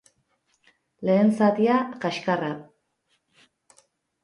Lehen zatia, kaskarra.